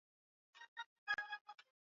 meli iliyokuja kuwaokoa ilifika baada ya saa nne